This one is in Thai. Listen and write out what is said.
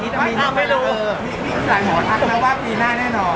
แล้วหมอทักได้ว่าปีหน้าแน่นอน